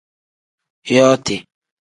Yooti.